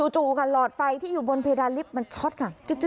จู่ค่ะหลอดไฟที่อยู่บนเพดานลิฟต์มันช็อตค่ะ